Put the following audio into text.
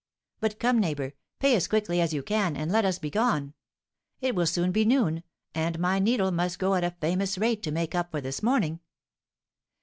But come, neighbour, pay as quickly as you can, and let us be gone. It will soon be noon, and my needle must go at a famous rate to make up for this morning."